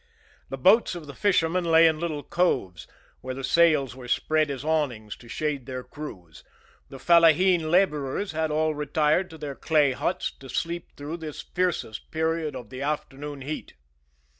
The boats of the fishermen lay in little coves, where the sails were spread as awnings to shade their crews. The fellaheen laborers had all retired to their clay huts to sleep through this fiercest period of the afternoon heat.